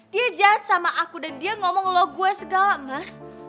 dia jahat sama aku dan dia ngomong logonya segala mas